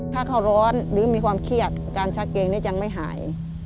ถ้าเขาร้อนหรือมีความเครียดการชักเกงนี่ยังไม่หาย